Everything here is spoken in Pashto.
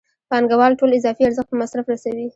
پانګوال ټول اضافي ارزښت په مصرف رسوي